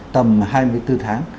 tầm hai mươi bốn tháng